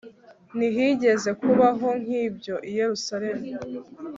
ntihigeze kubaho nk'ibyo i yerusalemu